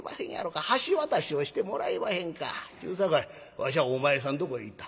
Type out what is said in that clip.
わしゃお前さんとこへ行った。